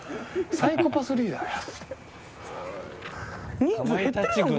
サイコパスリーダーや。